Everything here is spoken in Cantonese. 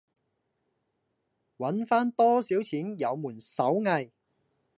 搵番多少錢有門手藝